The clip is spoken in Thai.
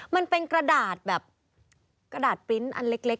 มันเป็นกระดาษแบบกระดาษปริ้นต์อันเล็ก